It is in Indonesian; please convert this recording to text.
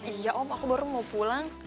iya om aku baru mau pulang